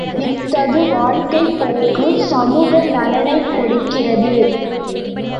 இத்தகு வாழ்க்கைப் போக்கு சமூக நலனைக்கெடுக்கிறது.